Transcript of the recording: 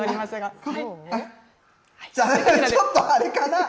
ちょっとあれかな。